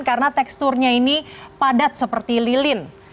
karena teksturnya ini padat seperti lilin